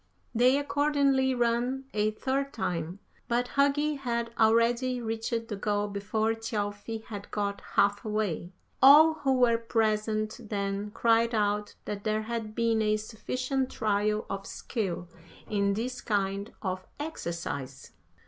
"They accordingly ran a third time, but Hugi had already reached the goal before Thjalfi had got half way. All who were present then cried out that there had been a sufficient trial of skill in this kind of exercise.